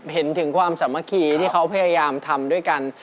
เห็นถึงความสามัคคีที่เขาพยายามทำด้วยกัน